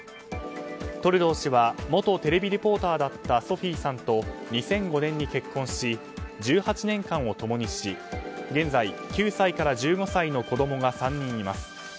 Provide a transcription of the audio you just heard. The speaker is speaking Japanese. トルドー氏は元テレビリポーターだったソフィーさんと２００５年に結婚し１８年間を共にし現在、９歳から１５歳の子供が３人います。